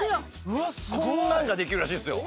こんなんができるらしいっすよ。